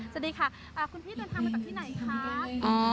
สวัสดีค่ะคุณพี่เดินทางมาจากที่ไหนครับ